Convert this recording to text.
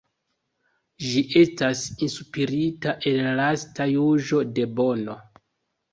Ĝi estas inspirita el la lasta juĝo de Bono.